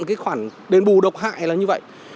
cái khoản đền bù độc hại là như vậy